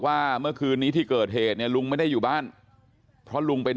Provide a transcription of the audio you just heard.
ว่าเมื่อคืนนี้ที่เกิดเหตุเนี่ยลุงไม่ได้อยู่บ้านเพราะลุงไป